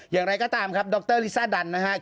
อย่างไรก็ตามครับดรลิซ่าดันนะครับ